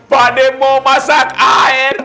padahal mau masak air